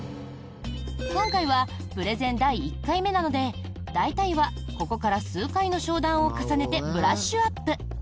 今回はプレゼン第１回目なので大体はここから数回の商談を重ねてブラッシュアップ。